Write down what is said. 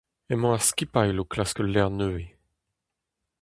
Emañ ar skipailh o klask ul lec'h nevez.